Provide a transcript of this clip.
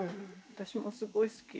私もすごい好き。